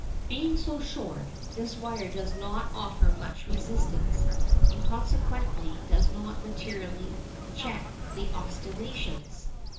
Being so short, this wire does not offer much resistance, and consequently does not materially check the oscillations.